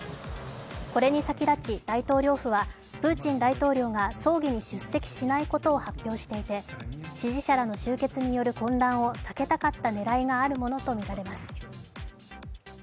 これに先立ち大統領府はプーチン大統領が葬儀に出席しないことを発表していて支持者らの終結による混乱を避けたかった狙いがあるとみられます。